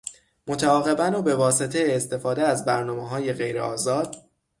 متعاقبا و به واسطه استفاده از برنامههای غیر آزاد